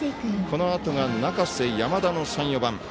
このあとが中瀬、山田の３、４番。